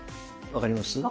分かります。